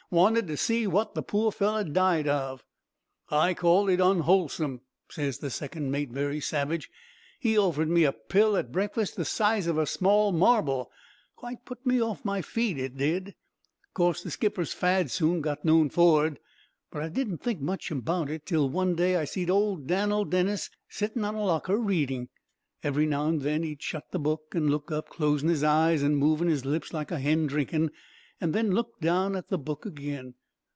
Wanted to see what the poor feller died of.' "'I call it unwholesome,' ses the second mate very savage. 'He offered me a pill at breakfast the size of a small marble; quite put me off my feed, it did.' "Of course, the skipper's fad soon got known for'ard. But I didn't think much about it, till one day I seed old Dan'l Dennis sitting on a locker reading. Every now and then he'd shut the book, an' look up, closing 'is eyes, an' moving his lips like a hen drinking, an' then look down at the book again.